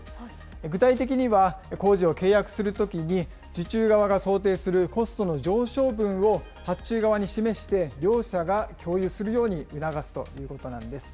具体的には、工事を契約するときに受注側が想定するコストの上昇分を発注側に示して両者が共有するように促すということなんです。